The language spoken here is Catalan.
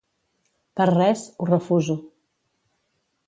Per res, ho refuso.